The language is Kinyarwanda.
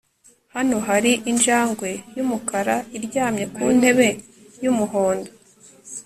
hano hari injangwe yumukara iryamye ku ntebe yumuhondo